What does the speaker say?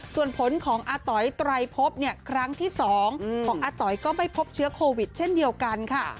ส่วนผลของอาต๋อยไตรพบเนี่ยครั้งที่๒ของอาต๋อยก็ไม่พบเชื้อโควิดเช่นเดียวกันค่ะ